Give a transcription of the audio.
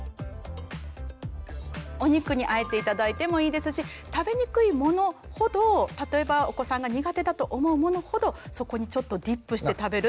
お肉にあえて頂いてもいいですし食べにくいものほど例えばお子さんが苦手だと思うものほどそこにちょっとディップして食べるっていうのが。